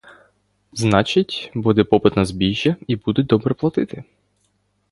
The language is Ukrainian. Значить, буде попит на збіжжя і будуть добре платити.